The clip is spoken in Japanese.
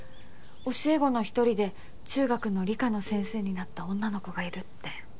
教え子の１人で中学の理科の先生になった女の子がいるって。